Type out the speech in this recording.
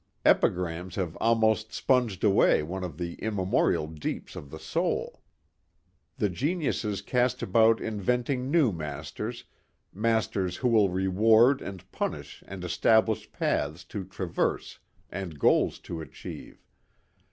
Epigrams have almost sponged away one of the immemorial deeps of the soul. The geniuses cast about inventing new masters, masters who will reward and punish and establish paths to traverse and goals to achieve.